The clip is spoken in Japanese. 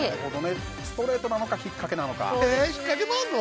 ストレートなのか引っかけなのか。